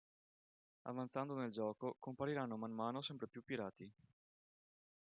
Avanzando nel gioco, compariranno man mano sempre più pirati.